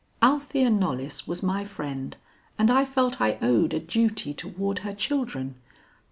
"Althea Knollys was my friend, and I felt I owed a duty toward her children.